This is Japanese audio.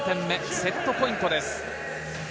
セットポイントです。